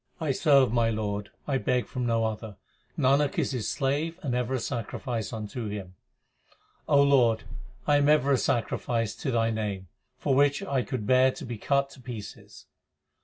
I serve my Lord, I beg from no other : Nanak is His slave and ever a sacrifice unto Him. O Lord, I am ever a sacrifice to Thy name, for which I could bear to be cut to pieces.